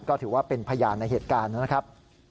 ก็ถือว่าเป็นพยานในเหตุการณ์นะครับ